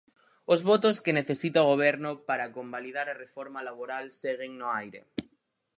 Os votos que necesita o Goberno para convalidar a reforma laboral seguen no aire.